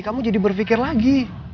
kamu jadi berpikir lagi